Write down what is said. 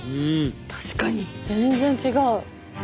確かに全然違う！